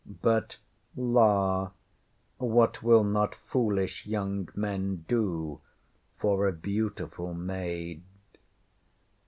But la! what will not foolish young men do for a beautiful maid?